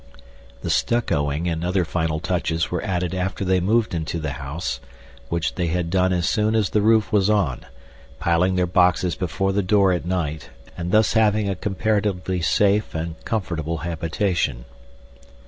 The stuccoing and other final touches were added after they moved into the house, which they had done as soon as the roof was on, piling their boxes before the door at night and thus having a comparatively safe and comfortable habitation.